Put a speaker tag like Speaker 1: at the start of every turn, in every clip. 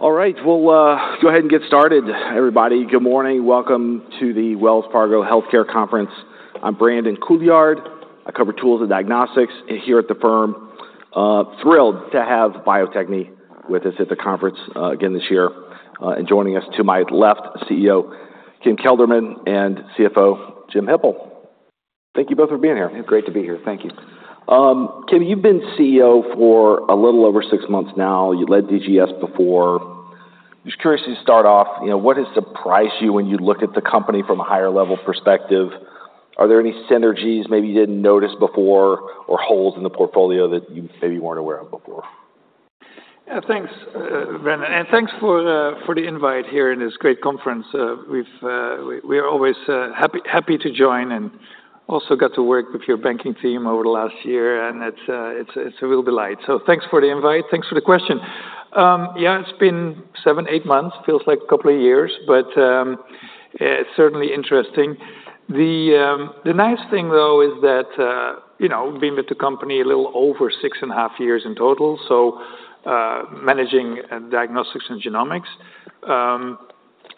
Speaker 1: All right, we'll go ahead and get started. Everybody, good morning. Welcome to the Wells Fargo Healthcare Conference. I'm Brandon Couillard. I cover tools and diagnostics here at the firm. Thrilled to have Bio-Techne with us at the conference again this year. Joining us to my left, CEO Kim Kelderman and CFO Jim Hipple. Thank you both for being here.
Speaker 2: Great to be here. Thank you.
Speaker 1: Kim, you've been CEO for a little over six months now. You led DGS before. Just curious, to start off, you know, what has surprised you when you look at the company from a higher level perspective? Are there any synergies maybe you didn't notice before or holes in the portfolio that you maybe weren't aware of before?
Speaker 2: Yeah, thanks, Brandon, and thanks for the invite here in this great conference. We've, we are always happy, happy to join, and also got to work with your banking team over the last year, and it's a real delight. Thanks for the invite. Thanks for the question. Yeah, it's been seven, eight months, feels like a couple of years, but it's certainly interesting. The nice thing, though, is that, you know, being with the company a little over six and a half years in total, managing Diagnostics and Genomics.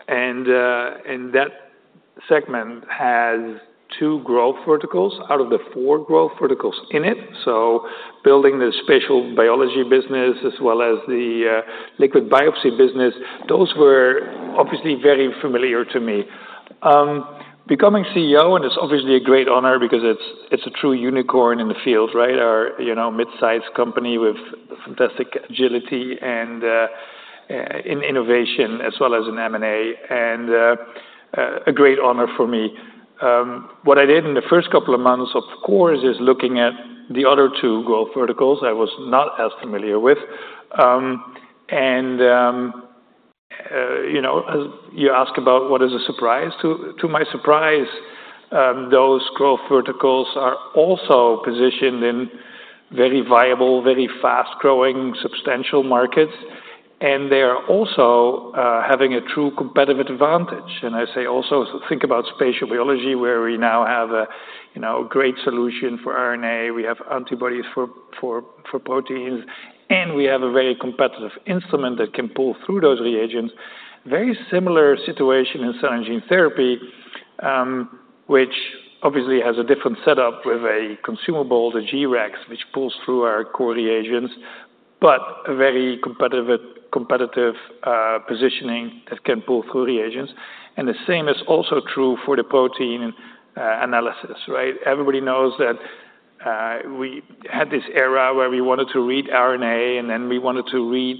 Speaker 2: That segment has two growth verticals out of the four growth verticals in it. Building the spatial biology business as well as the liquid biopsy business, those were obviously very familiar to me. Becoming CEO, and it's obviously a great honor because it's a true unicorn in the field, right? Our, you know, mid-sized company with fantastic agility and in innovation as well as in M&A, and a great honor for me. What I did in the first couple of months, of course, is looking at the other two growth verticals I was not as familiar with. And, you know, as you ask about what is a surprise, to my surprise, those growth verticals are also positioned in very viable, very fast-growing, substantial markets, and they are also having a true competitive advantage. I say also, think about spatial biology, where we now have a, you know, great solution for RNA, we have antibodies for proteins, and we have a very competitive instrument that can pull through those reagents. Very similar situation in cell and gene therapy, which obviously has a different setup with a consumable, the G-Rex, which pulls through our core reagents, but a very competitive, competitive positioning that can pull through reagents. The same is also true for the protein analysis, right? Everybody knows that we had this era where we wanted to read RNA, and then we wanted to read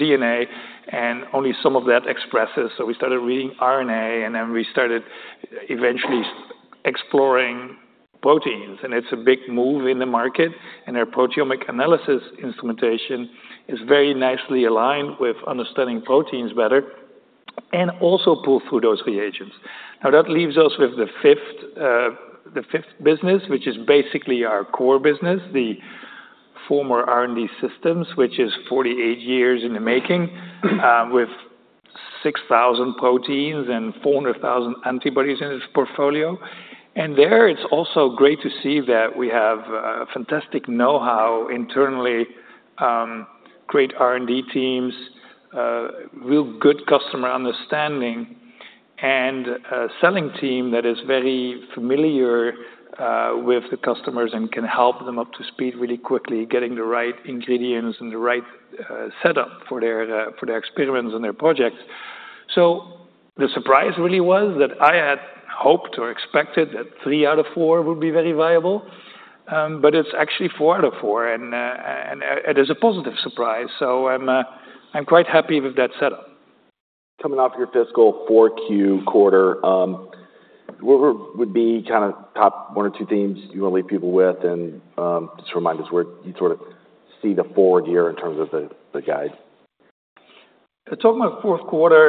Speaker 2: DNA, and only some of that expresses. We started reading RNA, and then we started eventually exploring proteins, and it's a big move in the market, and our proteomic analysis instrumentation is very nicely aligned with understanding proteins better, and also pull through those reagents. That leaves us with the 5th, the 5th business, which is basically our core business, the former R&D Systems, which is 48 years in the making, with 6,000 proteins and 400,000 antibodies in its portfolio. There, it's also great to see that we have fantastic know-how internally, great R&D teams, real good customer understanding, and a selling team that is very familiar with the customers and can help them up to speed really quickly, getting the right ingredients and the right setup for their experiments and their projects. The surprise really was that I had hoped or expected that 3/4 would be very viable, but it's actually 4/4, and it is a positive surprise. I'm quite happy with that setup.
Speaker 1: Coming off your fiscal fourth quarter, what would be kind of top one or two themes you want to leave people with, and just remind us where you sort of see the forward year in terms of the guide?
Speaker 2: Talking about fourth quarter,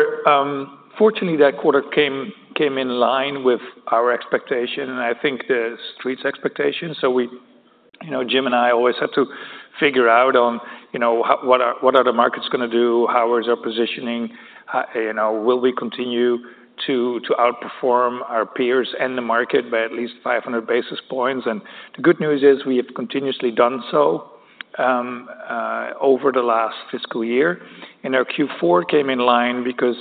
Speaker 2: fortunately, that quarter came in line with our expectation, and I think the street's expectation. You know, Jim and I always had to figure out on, you know, how, what are, what are the markets gonna do, how is our positioning, you know, will we continue to outperform our peers and the market by at least 500 basis points? The good news is, we have continuously done so over the last fiscal year. Our Q4 came in line because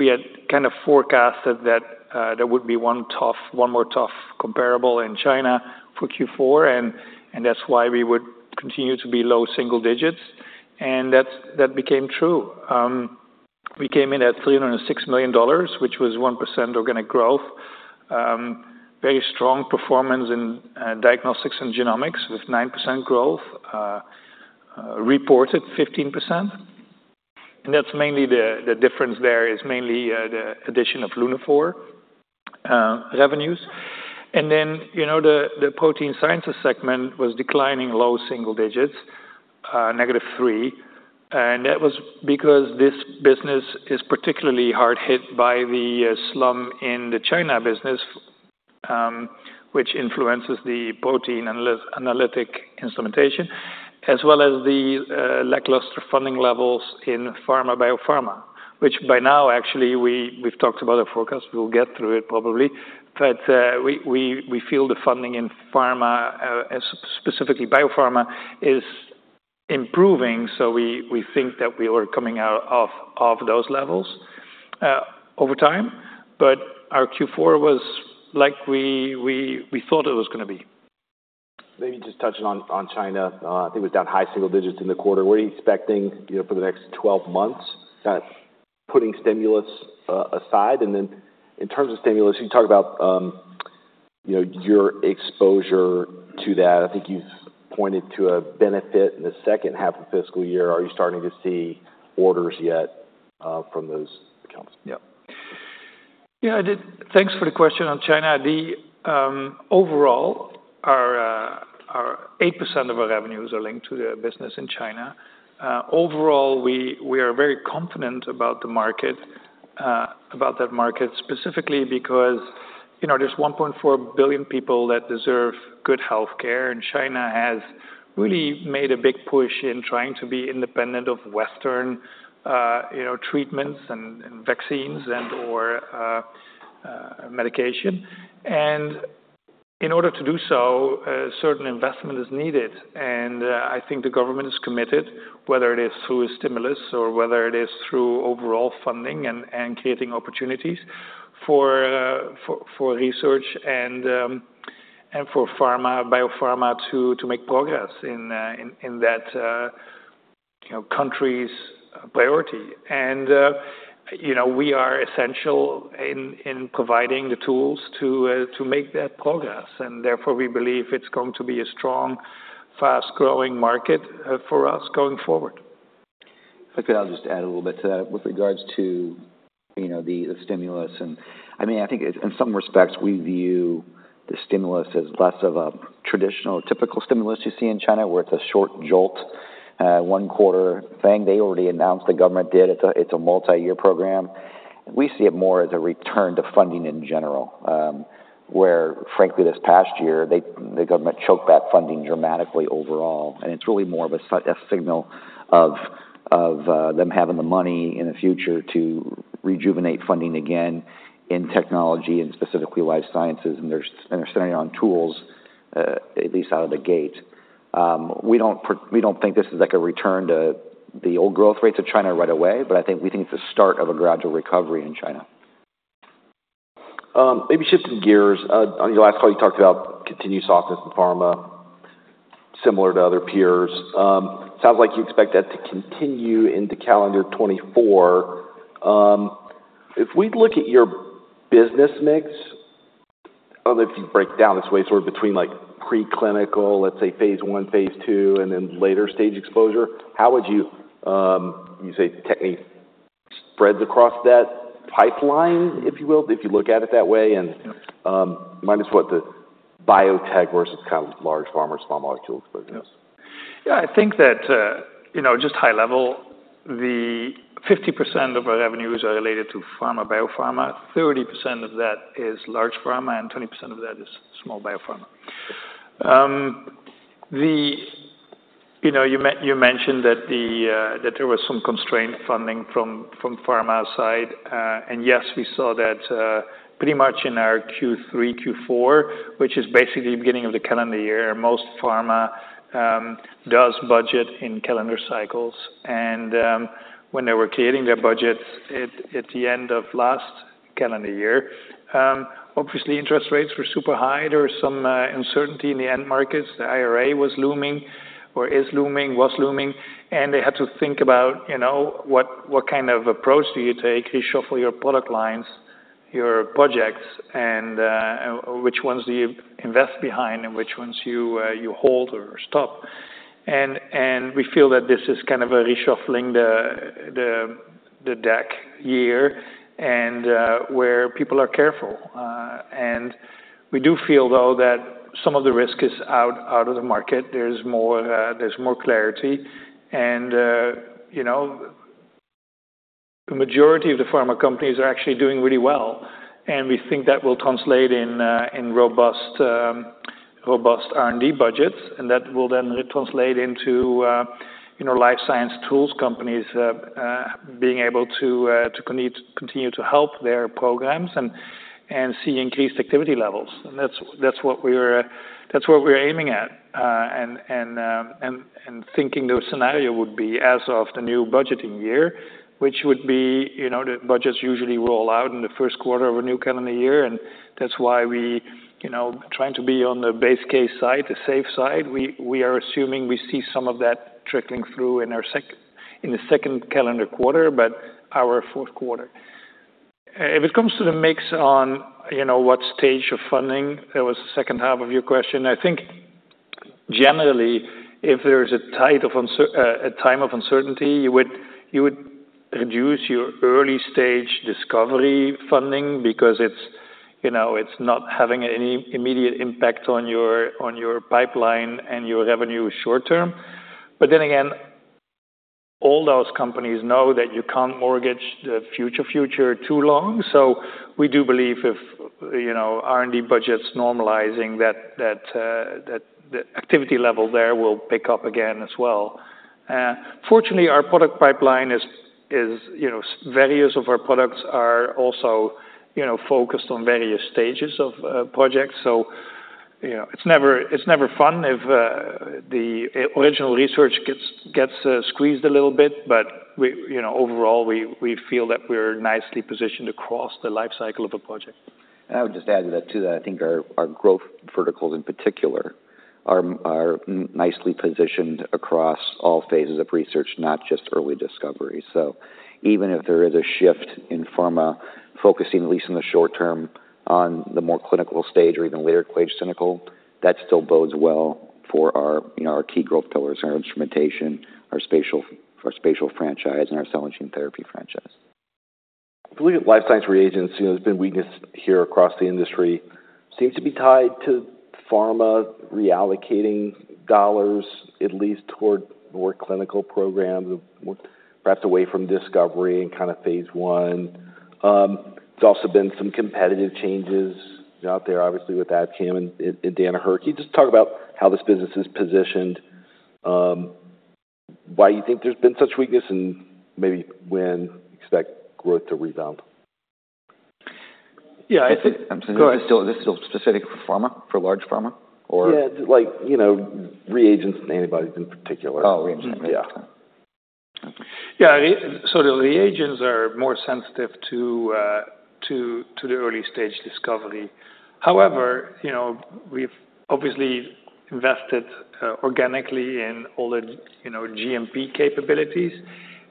Speaker 2: we had kind of forecasted that there would be one tough, one more tough comparable in China for Q4, and that's why we would continue to be low single digits. That became true. We came in at $306 million, which was 1% organic growth. Very strong performance in, you know, Diagnostics and Genomics, with 9% growth, reported 15%. And that's mainly the difference there is mainly the addition of Lunaphore revenues. And then, you know, the Protein Sciences segment was declining low single digits, -3, and that was because this business is particularly hard hit by the slump in the China business, which influences the protein analytic instrumentation, as well as the lackluster funding levels in pharma, biopharma, which by now, actually, we've talked about our forecast, we will get through it probably. You know, we feel the funding in pharma, and specifically biopharma, is improving, so we think that we are coming out of those levels over time. Our Q4 was like we thought it was gonna be.
Speaker 1: Maybe just touching on, on China, I think it was down high single digits in the quarter. What are you expecting, you know, for the next 12 months, putting stimulus aside? And then in terms of stimulus, you talked about, you know, your exposure to that. I think you've pointed to a benefit in the second half of fiscal year. Are you starting to see orders yet, you know, from those accounts?
Speaker 2: Yep. Yeah, I did, thanks for the question on China. Overall, 8% of our revenues are linked to the business in China. Overall, we are very confident about the market, about that market specifically, because, you know, there are 1.4 billion people that deserve good healthcare, and China has really made a big push in trying to be independent of Western, you know, treatments and, and vaccines and/or medication. In order to do so, a certain investment is needed, and I think the government is committed, whether it is through a stimulus or whether it is through overall funding and creating opportunities for research and for pharma, biopharma, to make progress in that, you know, country's priority. We are essential in providing the tools to make that progress, and therefore, we believe it's going to be a strong, fast-growing market for us going forward.
Speaker 3: If I could, I'll just add a little bit to that. With regards to, you know, the stimulus, and... I mean, I think in some respects, we view the stimulus as less of a traditional, typical stimulus you see in China, where it's a short jolt, one quarter thing. They already announced, the government did, it's a multi-year program. We see it more as a return to funding in general, where frankly, this past year, they, the government choked back funding dramatically overall, and it's really more of a signal of, of, them having the money in the future to rejuvenate funding again in technology and specifically life sciences, and they're sitting on tools, at least out of the gate. We don't think this is, like, a return to the old growth rates of China right away, but I think we think it's the start of a gradual recovery in China.
Speaker 1: Maybe shifting gears, on your last call, you talked about continued softness in pharma, similar to other peers. Sounds like you expect that to continue into calendar 2024. If we look at your business mix, I don't know if you'd break it down this way, sort of between like preclinical, let's say Phase 1, Phase 2, and then later-stage exposure, how would you say tech- spreads across that pipeline, if you will, if you look at it that way?
Speaker 2: Yep.
Speaker 1: Minus what the biotech versus kind of large pharma, small molecules, but yes.
Speaker 2: Yeah, I think that, you know, just high level, 50% of our revenues are related to pharma, biopharma, 30% of that is large pharma, and 20% of that is small biopharma. You know, you mentioned that there was some constrained funding from pharma side, and yes, we saw that pretty much in our Q3, Q4, which is basically the beginning of the calendar year. Most pharma does budget in calendar cycles, and when they were creating their budgets at the end of last calendar year, obviously interest rates were super high. There was some uncertainty in the end markets. The IRA was looming, or is looming, was looming, and they had to think about, you know, what kind of approach do you take? You shuffle your product lines, your projects, and which ones do you invest behind and which ones you hold or stop. We feel that this is kind of a reshuffling the deck year where people are careful. We do feel, though, that some of the risk is out of the market. There's more clarity, and, you know, the majority of the pharma companies are actually doing really well, and we think that will translate in robust R&D budgets, and that will then translate into, you know, life science tools companies being able to continue to help their programs and see increased activity levels. That's what we're aiming at, and thinking those scenario would be as of the new budgeting year, which would be, you know, the budgets usually roll out in the first quarter of a new calendar year, and that's why we, you know, trying to be on the base case side, the safe side. We are assuming we see some of that trickling through in our second calendar quarter, but our fourth quarter. If it comes to the mix on, you know, what stage of funding, that was the second half of your question, I think generally, if there's a time of uncertainty, you would, you would reduce your early-stage discovery funding because it's, you know, it's not having any immediate impact on your, on your pipeline and your revenue short term. Then again, all those companies know that you can't mortgage the future, future too long. We do believe if, you know, R&D budgets normalizing, that, that, that the activity level there will pick up again as well. Fortunately, our product pipeline is, is, you know, various of our products are also, you know, focused on various stages of projects. You know, it's never fun if the original research gets squeezed a little bit, but we, you know, overall, we feel that we're nicely positioned across the life cycle of a project.
Speaker 3: I would just add to that, too, that I think our growth verticals in particular are nicely positioned across all phases of research, not just early discovery. Even if there is a shift in pharma, focusing, at least in the short term, on the more clinical stage or even later stage clinical, that still bodes well for our, you know, our key growth pillars, our instrumentation, our spatial franchise, and our cell and gene therapy franchise.
Speaker 1: If we look at life science reagents, you know, there's been weakness here across the industry, seems to be tied to pharma reallocating dollars, at least toward more clinical programs, perhaps away from discovery and kind of phase one. There's also been some competitive changes out there, obviously, with Abcam and, and Danaher. Can you just talk about how this business is positioned, you know, why you think there's been such weakness and maybe when you expect growth to rebound?
Speaker 2: Yeah, I think.
Speaker 3: I'm sorry, is this still, this still specific for pharma, for large pharma, or?
Speaker 1: Yeah, like, you know, reagents and antibodies in particular.
Speaker 3: Oh, reagents.
Speaker 1: Yeah.
Speaker 2: Yeah, so the reagents are more sensitive to, you know, to the early stage discovery. However, you know, we've obviously invested organically in all the, you know, GMP capabilities,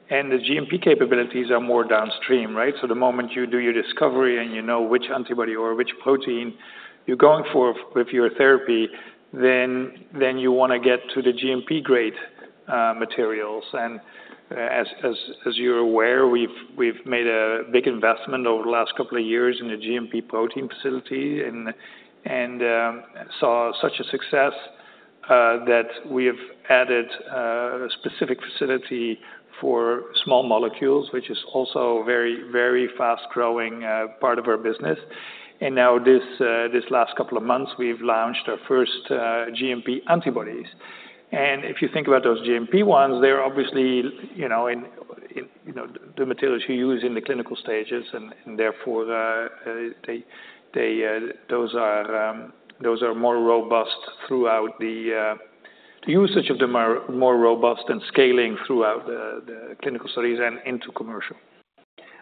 Speaker 2: and the GMP capabilities are more downstream, right? The moment you do your discovery, and you know which antibody or which protein you're going for with your therapy, then you wanna get to the GMP grade materials. As you're aware, we've made a big investment over the last couple of years in the GMP protein facility and saw such a success that we have added a specific facility for small molecules, which is also a very, very fast-growing part of our business. Now, this last couple of months, we've launched our first GMP antibodies. If you think about those GMP ones, they're obviously, you know, in, in, you know, the materials you use in the clinical stages, and, and therefore, they, they, those are, those are more robust throughout the, the usage of them are more robust and scaling throughout the clinical studies and into commercial.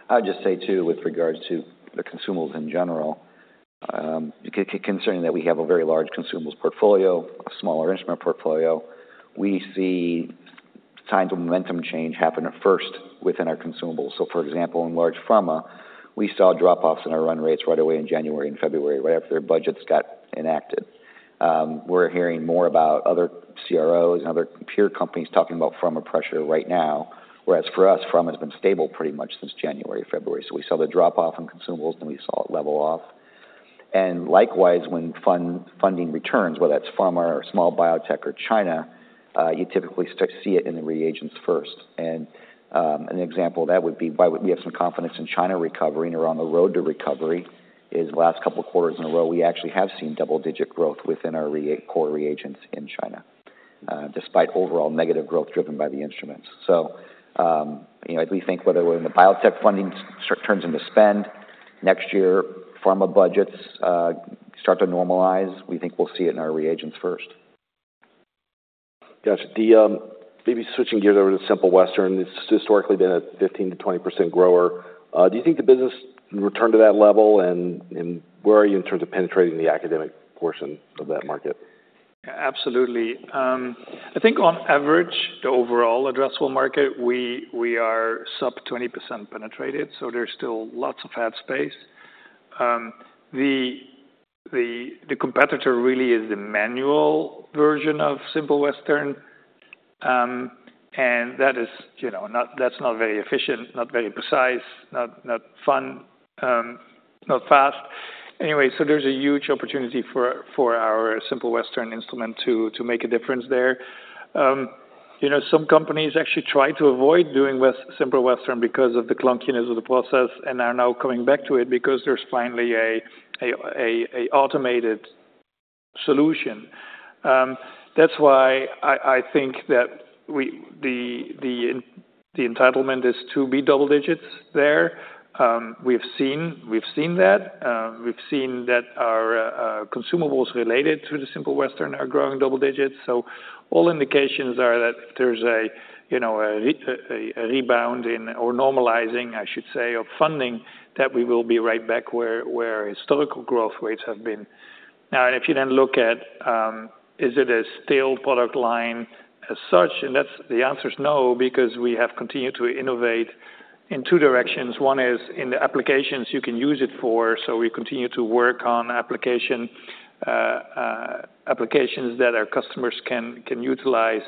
Speaker 3: I'll just say, too, with regards to the consumables in general, concerning that we have a very large consumables portfolio, a smaller instrument portfolio, we see signs of momentum change happen at first within our consumables. For example, in large pharma, we saw drop-offs in our run rates right away in January and February, right after their budgets got enacted. We're hearing more about other CROs and other peer companies talking about pharma pressure right now. Whereas for us, pharma has been stable pretty much since January, February. We saw the drop-off in consumables, then we saw it level off. Likewise, when funding returns, whether that's pharma or small biotech or China, you typically start to see it in the reagents first. An example of that would be why we have some confidence in China recovering or on the road to recovery is the last couple of quarters in a row, we actually have seen double-digit growth within our core reagents in China, despite overall negative growth driven by the instruments. You know, as we think whether when the biotech funding turns into spend next year, pharma budgets start to normalize, we think we'll see it in our reagents first.
Speaker 1: Gotcha. Maybe switching gears over to Simple Western, it's historically been a 15%-20% grower. Do you think the business returned to that level, and where are you in terms of penetrating the academic portion of that market?
Speaker 2: Absolutely. I think on average, the overall addressable market, we are sub 20% penetrated, so there's still lots of ad space. The competitor really is the manual version of Simple Western. That is not very efficient, not very precise, not fun, not fast. Anyway, there is a huge opportunity for our Simple Western instrument to make a difference there. You know, some companies actually try to avoid doing Simple Western because of the clunkiness of the process, and are now coming back to it because there is finally an automated solution. That is why I think that the entitlement is to be double digits there. We have seen that. We've seen that our consumables related to the Simple Western are growing double digits. All indications are that there's a, you know, a rebound in, or normalizing, I should say, of funding, that we will be right back where historical growth rates have been. If you then look at, is it a stale product line as such? The answer is no, because we have continued to innovate in two directions. One is in the applications you can use it for, so we continue to work on applications that our customers can utilize.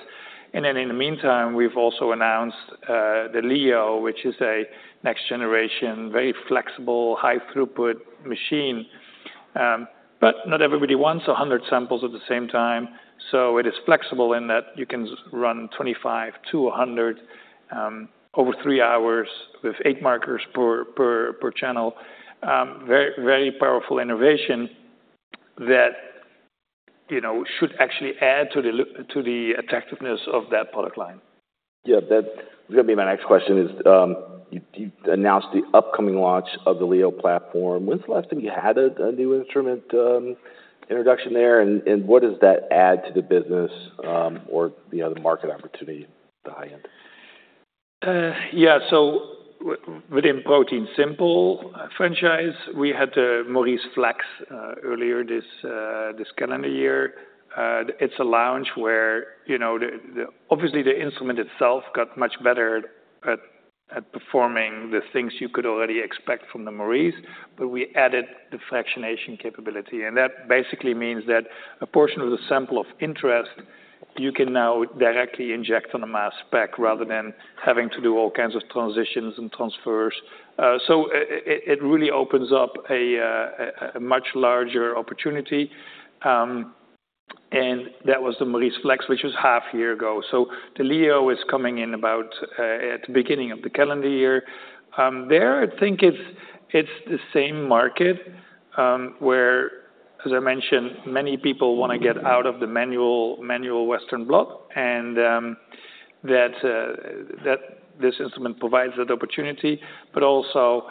Speaker 2: In the meantime, we've also announced the Leo, which is a next generation, very flexible, high throughput machine. Not everybody wants 100 samples at the same time, so it is flexible in that you can run 25-100 over 3 hours with 8 markers per channel. Very, very powerful innovation that, you know, should actually add to the attractiveness of that product line.
Speaker 1: Yeah, that was gonna be my next question, is, you announced the upcoming launch of the Leo platform. When's the last time you had a new instrument introduction there, and what does that add to the business, or, you know, the market opportunity at the high end?
Speaker 2: Yeah, so within ProteinSimple franchise, we had the Maurice Flex earlier this calendar year. It's a launch where, you know, the instrument itself got much better at performing the things you could already expect from the Maurice, but we added the fractionation capability. And that basically means that a portion of the sample of interest, you can now directly inject on a mass spec, rather than having to do all kinds of transitions and transfers. It really opens up a much larger opportunity, and that was the Maurice Flex, which was half year ago. The Leo is coming in about at the beginning of the calendar year. There, I think it's the same market, where, as I mentioned, many people wanna get out of the manual, manual Western blot, and that this instrument provides that opportunity. Also,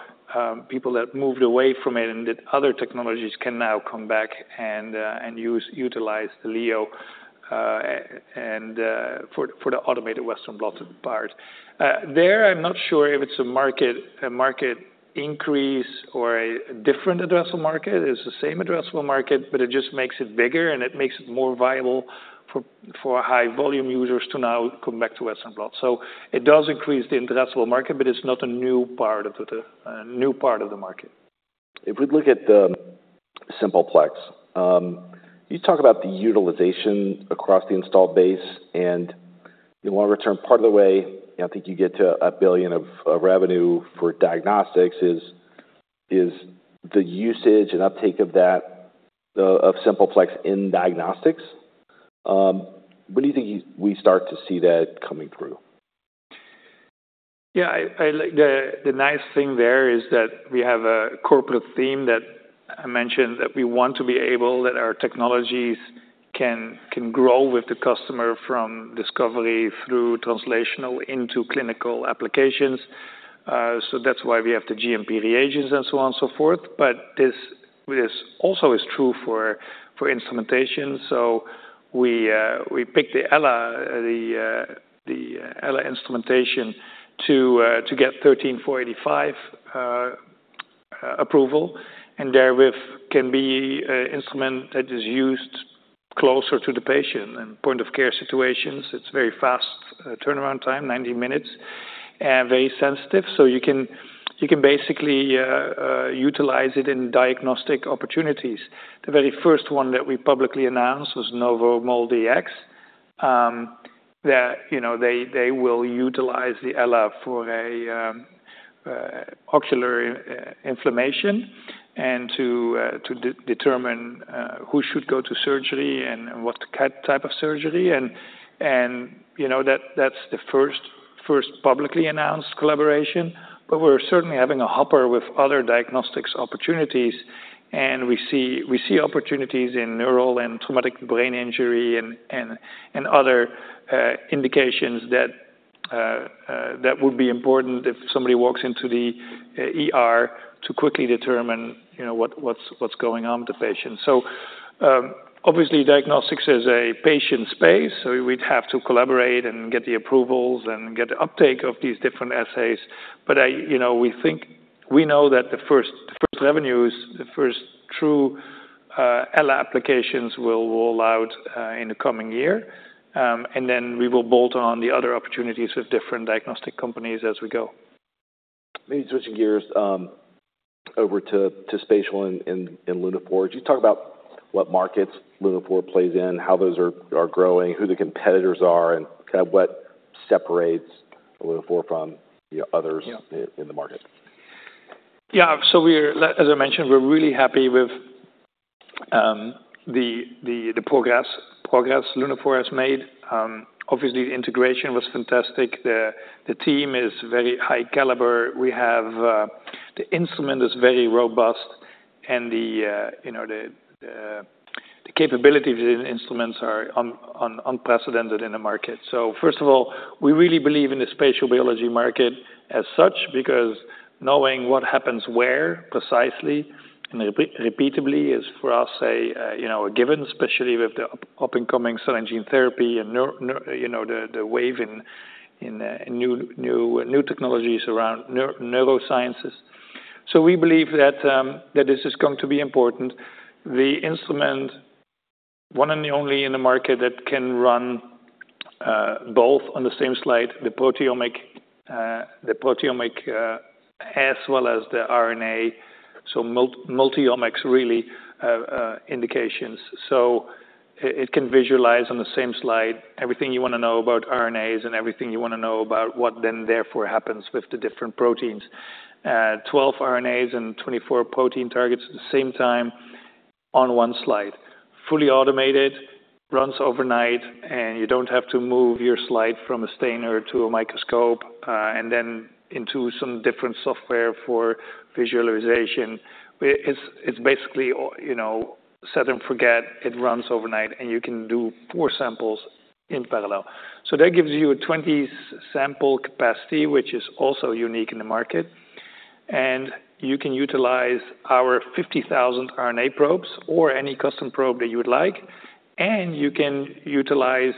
Speaker 2: people that moved away from it and that other technologies can now come back and use, utilize the Leo, and for the automated Western blot part. There, I'm not sure if it's a market, a market increase or a different addressable market. It's the same addressable market, but it just makes it bigger, and it makes it more viable for high-volume users to now come back to Western blot. It does increase the addressable market, but it's not a new part of the new part of the market.
Speaker 1: If we look at the Simple Plex, you talk about the utilization across the installed base, and you want to return part of the way, and I think you get to a billion of revenue for diagnostics, is the usage and uptake of that, of Simple Plex in diagnostics. When do you think you, we start to see that coming through?
Speaker 2: Yeah, the nice thing there is that we have a corporate theme that I mentioned, that we want to be able, that our technologies can grow with the customer from discovery through translational into clinical applications. That's why we have the GMP reagents and so on and so forth, but this also is true for instrumentation. We picked the Ella, the Ella instrumentation to get 13485 approval, and therewith can be an instrument that is used closer to the patient in point-of-care situations. It's very fast, turnaround time, ninety minutes, very sensitive, so you can basically utilize it in diagnostic opportunities. The very first one that we publicly announced was Novo MolDX. They will utilize the Ella for a ocular inflammation and to determine who should go to surgery and what type of surgery. You know, that's the first publicly announced collaboration, but we're certainly having a hopper with other diagnostics opportunities. We see opportunities in neural and traumatic brain injury and other indications that would be important if somebody walks into the ER to quickly determine, you know, what's going on with the patient. Obviously, diagnostics is a patient space, so we'd have to collaborate and get the approvals and get the uptake of these different assays. But I... You know, we think we know that the first, the first revenues, the first true Ella applications will roll out in the coming year. And then we will bolt on the other opportunities with different diagnostic companies as we go.
Speaker 1: Maybe switching gears, over to spatial and Lunaphore. Could you talk about what markets Lunaphore plays in, how those are growing, who the competitors are, and kind of what separates Lunaphore from, you know, others?
Speaker 2: Yeah...
Speaker 1: in the market?
Speaker 2: Yeah. Like I mentioned, we're really happy with the progress Lunaphore has made. Obviously, the integration was fantastic. The team is very high caliber. We have the instrument, it is very robust, and the capability of the instruments is unprecedented in the market. First of all, we really believe in the spatial biology market as such, because knowing what happens where, precisely and repeatably, is, for us, a given, especially with the up-and-coming cell and gene therapy and the wave in new technologies around neurosciences. We believe that this is going to be important. The instrument, one and the only in the market that can run both on the same slide, the proteomic, the proteomic, as well as the RNA, so multiomics really, indications. It can visualize on the same slide everything you wanna know about RNAs and everything you wanna know about what then therefore happens with the different proteins. 12 RNAs and 24 protein targets at the same time on one slide. Fully automated, runs overnight, and you don't have to move your slide from a stainer to a microscope, and then into some different software for visualization. It's basically, you know, set and forget. It runs overnight, and you can do four samples in parallel. That gives you a 20 sample capacity, which is also unique in the market. You can utilize our 50,000 RNA probes or any custom probe that you would like, and you can utilize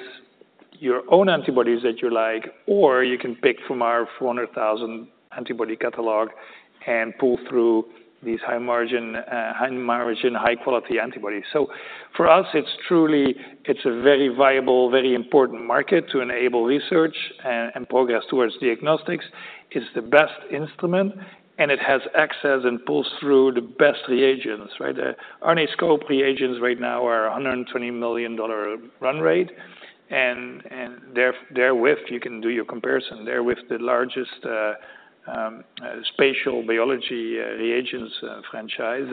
Speaker 2: your own antibodies that you like, or you can pick from our 400,000 antibody catalog and pull through these high margin, high margin, high quality antibodies. For us, it's truly, it's a very viable, very important market to enable research and progress towards diagnostics. It's the best instrument, and it has access and pulls through the best reagents, right? The RNAscope reagents right now are a $120 million run rate, and they're, therewith, you can do your comparison. They're with the largest spatial biology reagents franchise.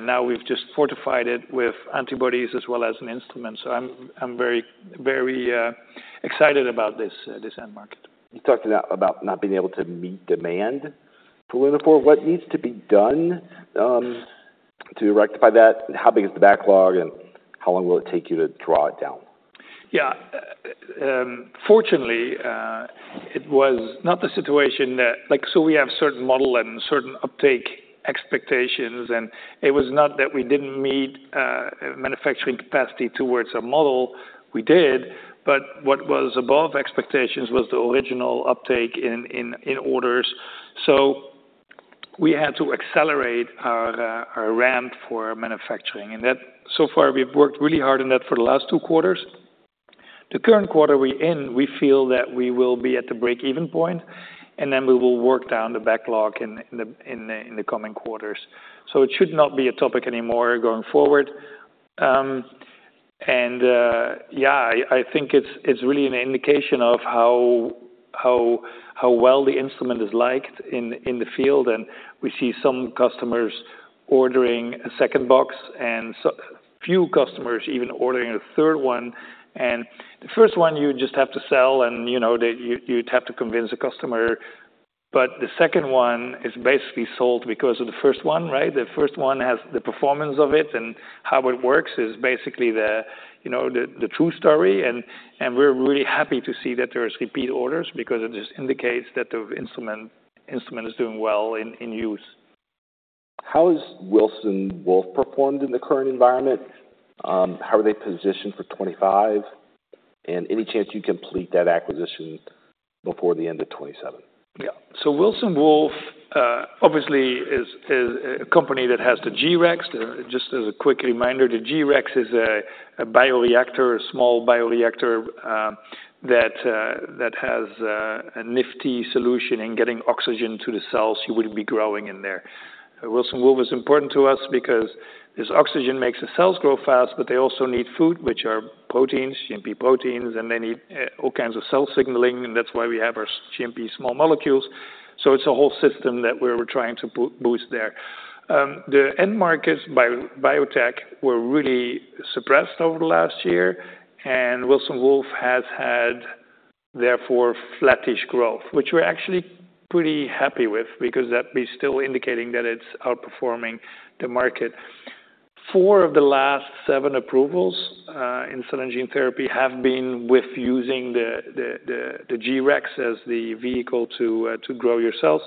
Speaker 2: Now we've just fortified it with antibodies as well as an instrument. I'm very, very excited about this, this end market.
Speaker 1: You talked about, about not being able to meet demand for Lunaphore. What needs to be done to rectify that? How big is the backlog, and how long will it take you to draw it down?
Speaker 2: Yeah. Fortunately, it was not the situation that... Like, we have certain model and certain uptake expectations, and it was not that we did not meet manufacturing capacity towards a model. We did, but what was above expectations was the original uptake in orders. We had to accelerate our ramp for manufacturing, and that, so far, we have worked really hard on that for the last two quarters. The current quarter we are in, we feel that we will be at the break-even point, and then we will work down the backlog in the coming quarters. It should not be a topic anymore going forward. Yeah, I think it's really an indication of how well the instrument is liked in the field, and we see some customers ordering a second box and some customers even ordering a third one. The first one, you just have to sell, and, you know, you'd have to convince a customer. The second one is basically sold because of the first one, right? The first one has the performance of it, and how it works is basically the true story. We're really happy to see that there is repeat orders because it just indicates that the instrument is doing well in use.
Speaker 1: How has Wilson Wolf performed in the current environment? How are they positioned for 25? Any chance you complete that acquisition before the end of 27?
Speaker 2: Yeah. So Wilson Wolf, obviously, is a company that has the G-Rex. Just as a quick reminder, the G-Rex is a bioreactor, a small bioreactor, that has a nifty solution in getting oxygen to the cells you would be growing in there. Wilson Wolf is important to us because this oxygen makes the cells grow fast, but they also need food, which are proteins, GMP proteins, and they need all kinds of cell signaling, and that's why we have our GMP small molecules. So it's a whole system that we're trying to boost there. The end markets, biotech, were really suppressed over the last year, and Wilson Wolf has had, therefore, flattish growth, which we're actually pretty happy with because that is still indicating that it's outperforming the market. Four of the last seven approvals in cell and gene therapy have been with using the G-Rex as the vehicle to grow your cells.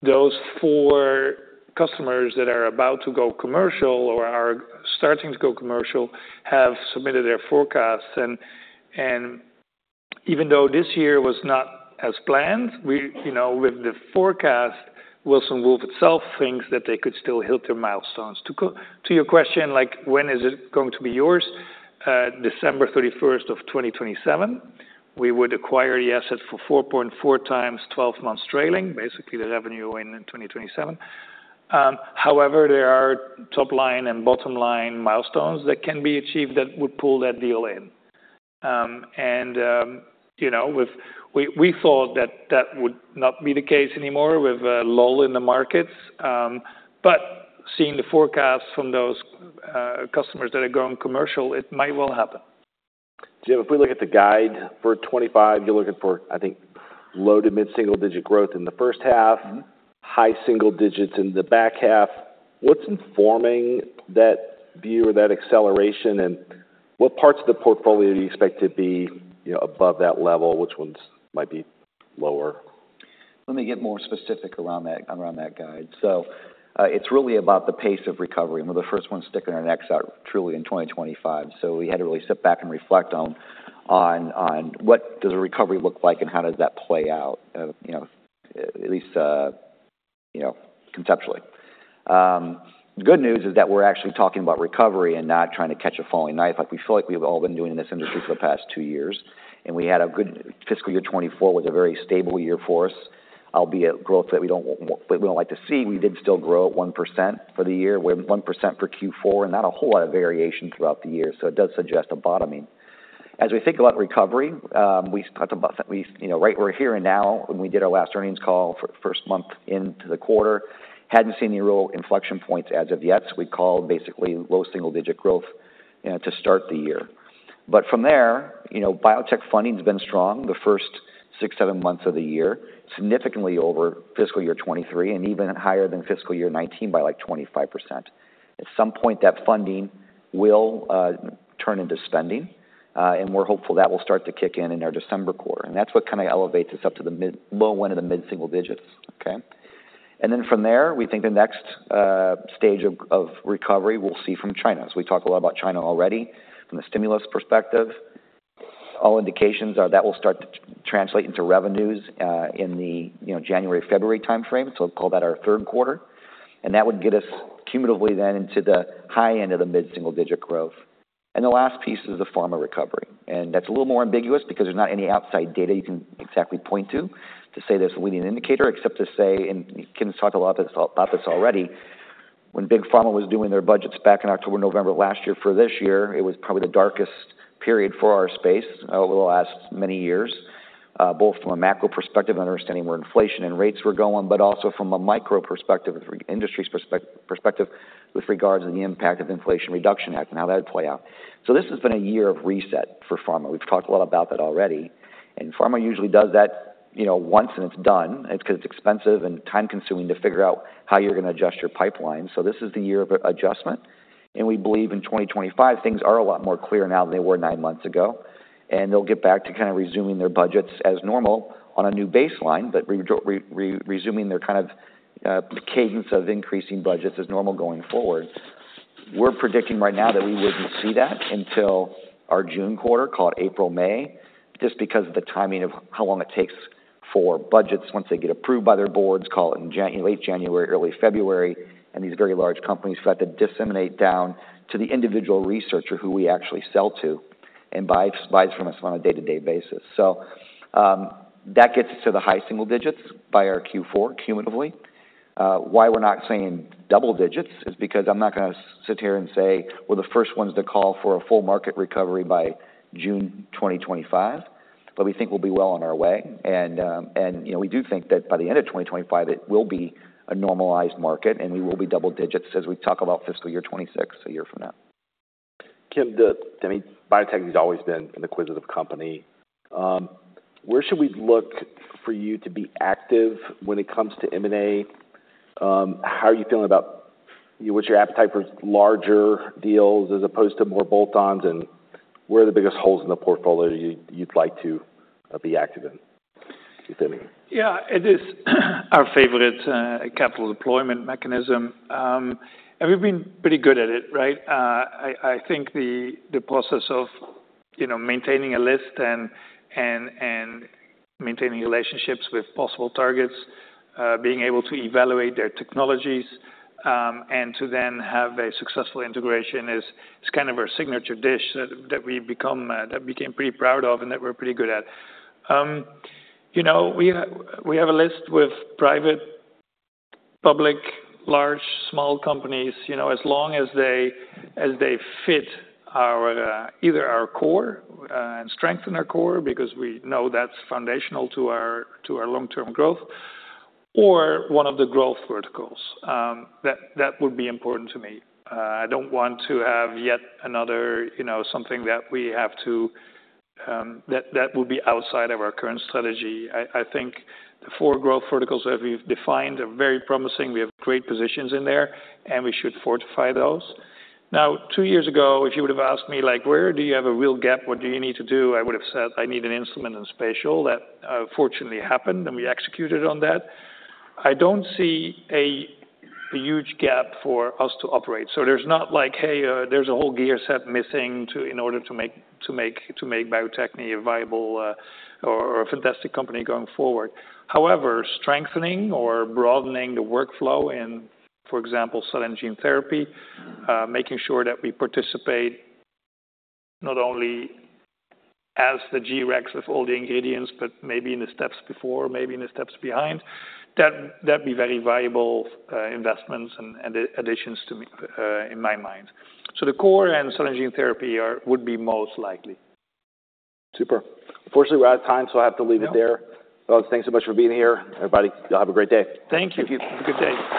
Speaker 2: Those four customers that are about to go commercial or are starting to go commercial have submitted their forecasts. Even though this year was not as planned, we, you know, with the forecast, Wilson Wolf itself thinks that they could still hit their milestones. To your question, like, when is it going to be yours? December31, 2027 we would acquire the assets for 4.4 times 12 months trailing, basically the revenue in 2027. However, there are top line and bottom line milestones that can be achieved that would pull that deal in. You know, with... We thought that that would not be the case anymore with a lull in the markets, but seeing the forecast from those customers that are going commercial, it might well happen.
Speaker 1: Jim, if we look at the guide for 2025, you're looking for, I think, low to mid-single digit growth in the first half.
Speaker 3: Mm-hmm.
Speaker 1: High single digits in the back half. What's informing that view or that acceleration, and what parts of the portfolio do you expect to be, you know, above that level? Which ones might be lower?
Speaker 3: Let me get more specific around that, around that guide. It's really about the pace of recovery. We're the first ones sticking our necks out truly in 2025, so we had to really sit back and reflect on what does a recovery look like and how does that play out, you know, at least, you know, conceptually. The good news is that we're actually talking about recovery and not trying to catch a falling knife like we feel like we've all been doing in this industry for the past two years. We had a good fiscal year 2024, was a very stable year for us, albeit growth that we don't like to see. We did still grow at 1% for the year, with 1% for Q4, and not a whole lot of variation throughout the year, so it does suggest a bottoming. As we think about recovery, we talked about that we, you know, right, we're here and now, when we did our last earnings call for first month into the quarter, hadn't seen any real inflection points as of yet, so we called basically low single-digit growth to start the year. From there, you know, biotech funding's been strong the first six, seven months of the year, significantly over fiscal year 2023, and even higher than fiscal year 2019 by, like, 25%. At some point, that funding will turn into spending, and we're hopeful that will start to kick in, in our December quarter. That is what kind of elevates us up to the mid- low end of the mid-single digits, okay? From there, we think the next stage of recovery we will see from China, as we talked a lot about China already from the stimulus perspective. All indications are that will start to translate into revenues in the, you know, January, February timeframe, so we will call that our third quarter. That would get us cumulatively then into the high end of the mid-single digit growth. The last piece is the pharma recovery, and that is a little more ambiguous because there is not any outside data you can exactly point to, to say there is a leading indicator, except to say, and Kim has talked a lot about this already. When big pharma was doing their budgets back in October, November last year for this year, it was probably the darkest period for our space over the last many years, both from a macro perspective and understanding where inflation and rates were going, but also from a micro perspective, industries perspective with regards to the impact of Inflation Reduction Act and how that would play out. This has been a year of reset for pharma. We've talked a lot about that already, and pharma usually does that, you know, once and it's done. It's 'cause it's expensive and time-consuming to figure out how you're gonna adjust your pipeline, so this is the year of adjustment. We believe in 2025, things are a lot more clear now than they were nine months ago, and they'll get back to kind of resuming their budgets as normal on a new baseline, but resuming their kind of, kind of cadence of increasing budgets as normal going forward. We're predicting right now that we wouldn't see that until our June quarter, call it April, May, just because of the timing of how long it takes for budgets once they get approved by their boards, call it in late January, early February. These very large companies have to disseminate down to the individual researcher, who we actually sell to and buys from us on a day-to-day basis. That gets us to the high single digits by our Q4, cumulatively. Why we're not saying double digits is because I'm not gonna sit here and say we're the first ones to call for a full market recovery by June 2025, but we think we'll be well on our way. You know, we do think that by the end of 2025, it will be a normalized market, and we will be double digits as we talk about fiscal year 2026, a year from now.
Speaker 1: Kim, I mean, Bio-Techne has always been an inquisitive company. Where should we look for you to be active when it comes to M&A? How are you feeling about... What's your appetite for larger deals as opposed to more bolt-ons, and where are the biggest holes in the portfolio you'd like to be active in? You, Kimmy.
Speaker 2: Yeah, it is our favorite capital deployment mechanism. And we've been pretty good at it, right? I think the process of, you know, maintaining a list and maintaining relationships with possible targets, being able to evaluate their technologies, and to then have a successful integration is kind of our signature dish that we've become, that we became pretty proud of and that we're pretty good at. You know, we have a list with private, public, large, small companies, you know, as long as they fit our, either our core, and strengthen our core, because we know that's foundational to our long-term growth, or one of the growth verticals that would be important to me. I don't want to have yet another, you know, something that we have to, that would be outside of our current strategy. I think the four growth verticals that we've defined are very promising. We have great positions in there, and we should fortify those. Now, two years ago, if you would've asked me, like, "Where do you have a real gap? What do you need to do?" I would've said, "I need an instrument in spatial." That fortunately happened, and we executed on that. I don't see a huge gap for us to operate, so there's not like, Hey, there's a whole gear set missing in order to make, to make, to make Bio-Techne a viable, or a fantastic company going forward. However, strengthening or broadening the workflow in, for example, cell and gene therapy, making sure that we participate not only as the G-Rex of all the ingredients, but maybe in the steps before, maybe in the steps behind, that'd be very viable, investments and additions to me, in my mind. The core and cell and gene therapy are, would be most likely.
Speaker 1: Super. Unfortunately, we're out of time, so I have to leave it there.
Speaker 2: Yeah.
Speaker 1: Thanks so much for being here, everybody. Y'all have a great day.
Speaker 2: Thank you.
Speaker 3: Thank you.
Speaker 2: Have a good day.